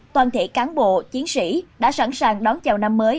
toàn thể cán bộ chiến sĩ đã sẵn sàng đón chào năm mới